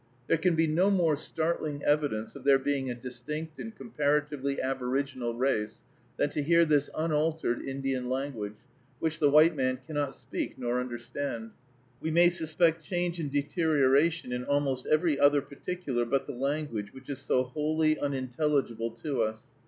There can be no more startling evidence of their being a distinct and comparatively aboriginal race than to hear this unaltered Indian language, which the white man cannot speak nor understand. We may suspect change and deterioration in almost every other particular but the language which is so wholly unintelligible to us.